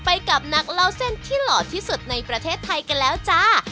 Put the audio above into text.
ไปกับนักเล่าเส้นที่หล่อที่สุดในประเทศไทยกันแล้วจ้า